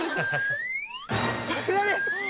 こちらです。